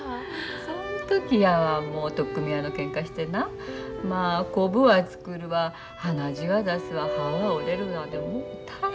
そん時やわもう取っ組み合いのけんかしてなまあコブは作るわ鼻血は出すわ歯は折れるわでもう大変。